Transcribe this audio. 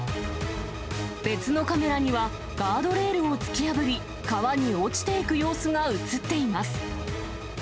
別のカメラには、ガードレールを突き破り、川に落ちていく様子が写っています。